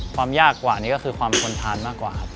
ความยากกว่านี้ก็คือความทนทานมากกว่าครับ